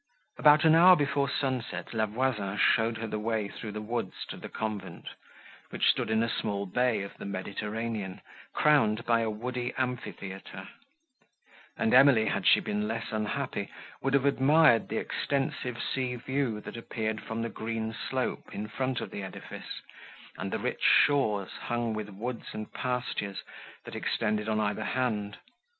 About an hour before sunset, La Voisin showed her the way through the woods to the convent, which stood in a small bay of the Mediterranean, crowned by a woody amphitheatre; and Emily, had she been less unhappy, would have admired the extensive sea view, that appeared from the green slope, in front of the edifice, and the rich shores, hung with woods and pastures, that extended on either hand.